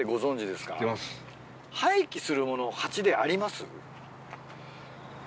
廃棄するものハチであります？